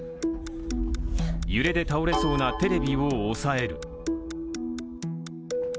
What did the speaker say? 揺れで倒れそうなテレビを押さえる。